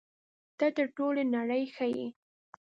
ته تر ټولې نړۍ ښه یې.